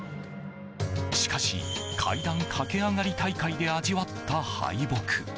しかし、階段駆け上がり大会で味わった敗北。